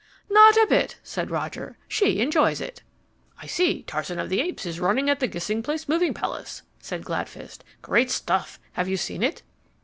"Not a bit," said Roger. "She enjoys it." "I see Tarzan of the Apes is running at the Gissing Street movie palace," said Gladfist. "Great stuff. Have you seen it?"